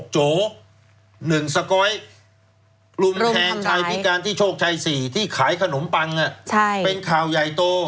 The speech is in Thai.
โจ๑สก๊อยรุมแทงชายพิการที่โชคชัย๔ที่ขายขนมปังเป็นข่าวใหญ่โต